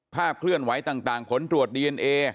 เคลื่อนไหวต่างผลตรวจดีเอนเอ